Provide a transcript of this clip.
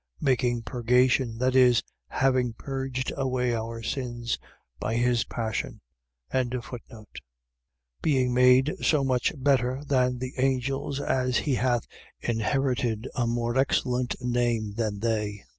Making purgation. . .That is, having purged away our sins by his passion. 1:4. Being made so much better than the angels as he hath inherited a more excellent name than they.